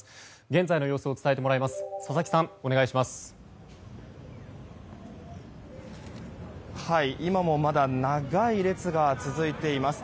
現在の様子を伝えてもらいます。